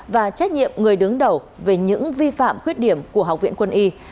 và trách nhiệm người đứng đầu về những vi phạm khuyết điểm của học viện quân y